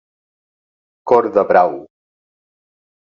Cor de brau.